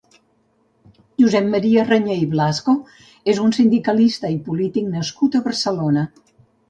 Josep Maria Rañé i Blasco és un sindicalista i polític nascut a Barcelona.